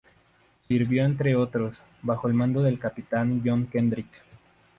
Sirvió entre otros, bajo el mando del capitán John Kendrick.